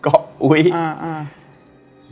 ก็อุ๊ยอ่าอ่า